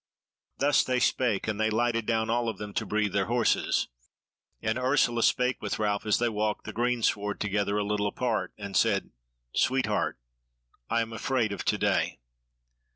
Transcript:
Thus they spake, and they lighted down all of them to breathe their horses, and Ursula spake with Ralph as they walked the greensward together a little apart, and said: "Sweetheart, I am afraid of to day."